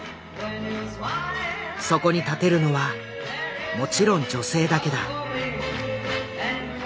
そこに立てるのはもちろん女性だけだ。